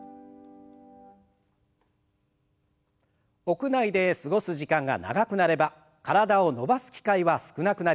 屋内で過ごす時間が長くなれば体を伸ばす機会は少なくなります。